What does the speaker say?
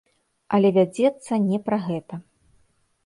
Але вядзецца не пра гэта.